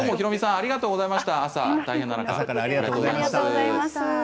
ありがとうございます。